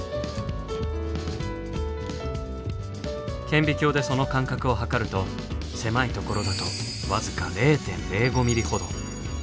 顕微鏡でその間隔を測ると狭いところだと僅か０．０５ミリほど。